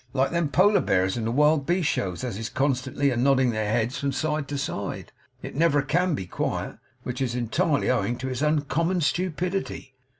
Like them Polar bears in the wild beast shows as is constantly a nodding their heads from side to side, it never CAN be quiet. Which is entirely owing to its uncommon stupidity.